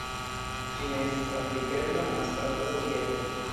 Ĝi ne estas aplikebla anstataŭ dieto.